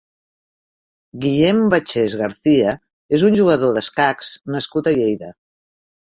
Guillem Baches García és un jugador d'escacs nascut a Lleida.